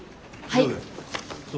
はい。